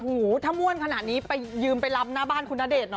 ถ้าม่วนขนาดนี้ไปยืมไปลำหน้าบ้านคุณณเดชนหน่อย